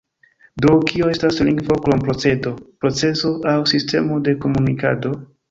Do, kio estas lingvo krom procedo, procezo aŭ sistemo de komunikado?